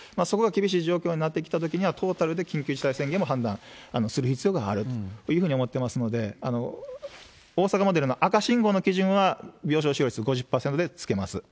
そこが厳しい状況になってきたときには、トータルで緊急事態宣言も判断する必要があるというふうに思ってますので、大阪モデルの赤信号の基準は、病床使用率５０％でつけます。